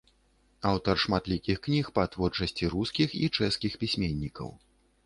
Аўтар шматлікіх кніг па творчасці рускіх і чэшскіх пісьменнікаў.